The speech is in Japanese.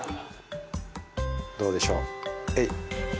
どうでしょうえい。